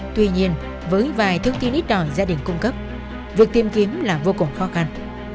tuy nhiên với vài thông tin ít đòi gia đình cung cấp việc tìm kiếm là vô cùng khó khăn